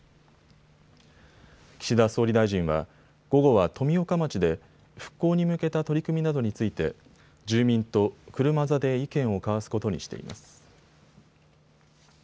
岸田総理大臣は午後は富岡町で復興に向けた取り組みなどについて住民と車座で意見を交わすことにしています。